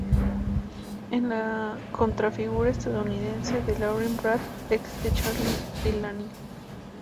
Es la contrafigura estadounidense de Lauren Brant, ex de Charli Delaney.